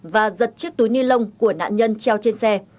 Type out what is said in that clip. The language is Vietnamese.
và giật chiếc túi ni lông của nạn nhân treo trên xe